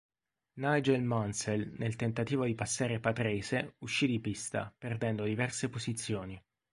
Nigel Mansell, nel tentativo di passare Patrese, uscì di pista, perdendo diverse posizioni.